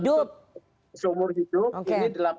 dituntut seumur hidup